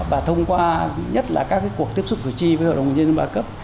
và thông qua nhất là các cuộc tiếp xúc cử tri với hội đồng nhân dân ba cấp